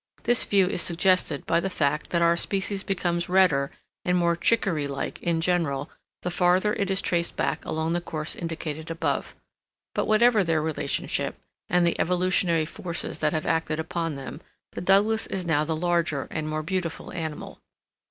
This view is suggested by the fact that our species becomes redder and more Chickaree like in general, the farther it is traced back along the course indicated above. But whatever their relationship, and the evolutionary forces that have acted upon them, the Douglas is now the larger and more beautiful animal.